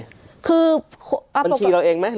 บัญชีเราเองไหมหรือบัญชีของเรา